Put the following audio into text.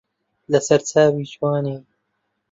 لە سەر چاوی جوانی